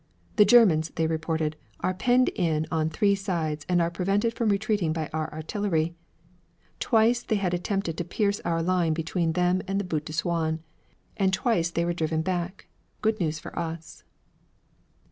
'The Germans' they reported, 'are penned in on three sides and are prevented from retreating by our artillery.' Twice they had attempted to pierce our line between them and the Butte de Souain, and twice they were driven back. Good news for us!